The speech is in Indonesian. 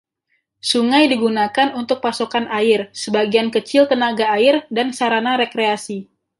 Sungai digunakan untuk pasokan air, sebagian kecil tenaga air, dan sarana rekreasi.